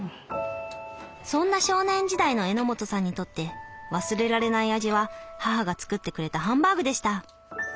そんな少年時代の榎本さんにとって忘れられない味は母が作ってくれたハンバーグでした。